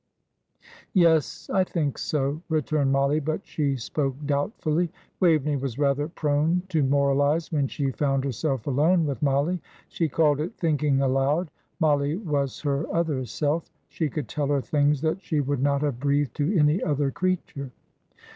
"Yes, I think so," returned Mollie; but she spoke doubtfully. Waveney was rather prone to moralise when she found herself alone with Mollie. She called it "thinking aloud." Mollie was her other self. She could tell her things that she would not have breathed to any other creature.